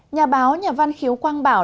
nhà báo nhà văn khiếu quang bảo